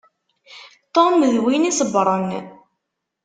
Tom d win isebbṛen.